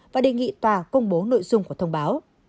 và đề nghị tòa công bố nội dung của thông báo